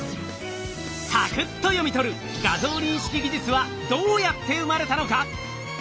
さくっと読み取る画像認識技術はどうやって生まれたのか？